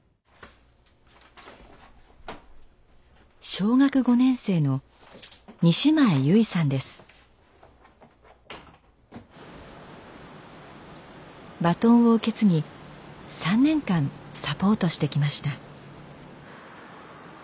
小学５年生のバトンを受け継ぎ３年間サポートしてきました。